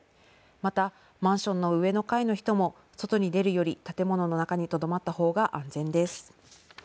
また、マンションの上の階の人も外に出るより建物の中にとどまったほうが安全です。